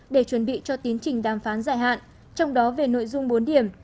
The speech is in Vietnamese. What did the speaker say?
để chuẩn bị cho tiến trình đàm phán dài hạn trong đó về nội dung bốn điểm